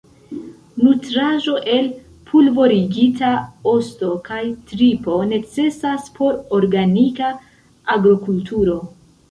Nutraĵo el pulvorigita osto kaj tripo necesas por organika agrokulturo.